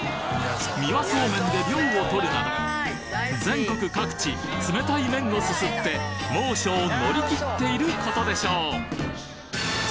三輪そうめんで涼をとるなど全国各地冷たい麺をすすって猛暑を乗り切っていることでしょう